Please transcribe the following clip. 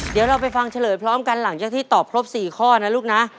เดี๋ยวเราไปฟังเฉลยพร้อมกันหลังจากที่ตอบครบ๔ข้อนะลูกนะ